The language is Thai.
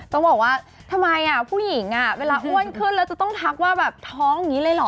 ต้องบอกว่าทำไมผู้หญิงเวลาอ้วนขึ้นแล้วจะต้องทักว่าแบบท้องอย่างนี้เลยเหรอ